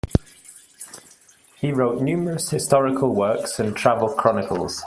He wrote numerous historical works and travel chronicles.